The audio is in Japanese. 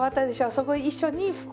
そこ一緒に拭く。